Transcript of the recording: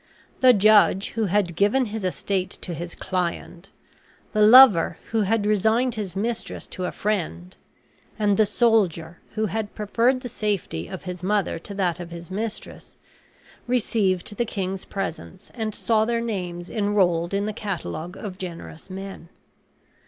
The judge, who had given his estate to his client; the lover, who had resigned his mistress to a friend; and the soldier, who had preferred the safety of his mother to that of his mistress, received the king's presents and saw their names enrolled in the catalogue of generous men.